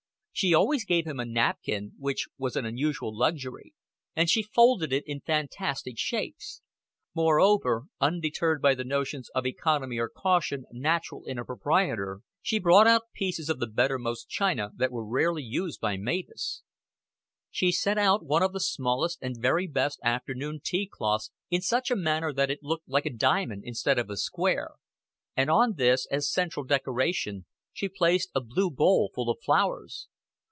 She always gave him a napkin, which was an unusual luxury, and she folded it in fantastic shapes; moreover, undeterred by the notions of economy or caution natural in a proprietor, she brought out pieces of the bettermost china that were rarely used by Mavis; she set one of the smallest and very best afternoon tea cloths in such a manner that it looked like a diamond instead of a square, and on this, as central decoration, she placed a blue bowl full of flowers.